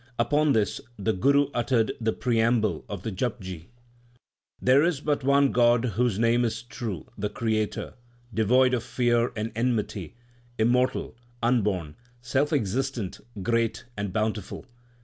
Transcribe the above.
Upon this, the Guru uttered the preamble of the Japji : There is but one God whose name is True, the Creator, devoid of fear and enmity, immortal, unborn, self existent, great, and bountiful.